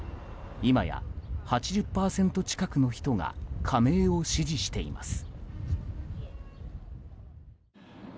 今や８０％近くの人が加盟を支持しています。